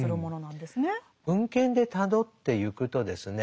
文献でたどってゆくとですね